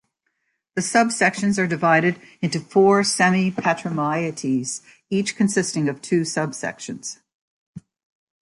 The subsections are divided into four "semi-patrimoieties", each consisting of two subsections.